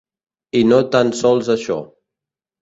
I no tan sols això.